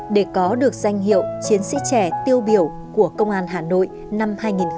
để có được danh hiệu chiến sĩ trẻ tiêu biểu của công an hà nội năm hai nghìn hai mươi